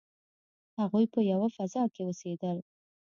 هغوی په یوه فضا کې اوسیدل.